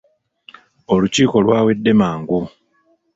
Olukiiko lwawedde mangu.